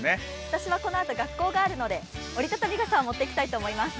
私はこのあと学校があるので折りたたみ傘を持っていきたいと思います。